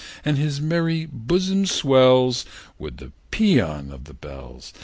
And his merry bosom swells With the pæan of the bells!